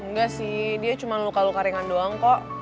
enggak sih dia cuma luka luka ringan doang kok